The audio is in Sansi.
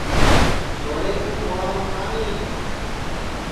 چھورے کُو کولام اُٹھانی